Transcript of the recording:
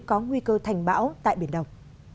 có nguy cơ thành bão tại biển đồng